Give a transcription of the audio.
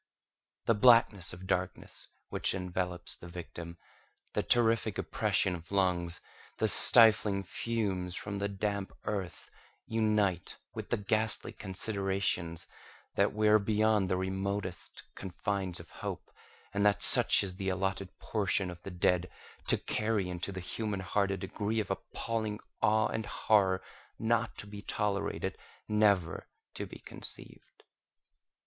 The blackness of darkness which envelops the victim, the terrific oppression of lungs, the stifling fumes from the damp earth, unite with the ghastly considerations that we are beyond the remotest confines of hope, and that such is the allotted portion of the dead, to carry into the human heart a degree of appalling awe and horror not to be tolerated—never to be conceived.